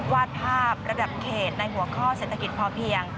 วาดภาพระดับเขตในหัวข้อเศรษฐกิจพอเพียง